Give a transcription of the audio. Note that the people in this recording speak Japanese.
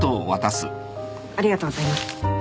ありがとうございます。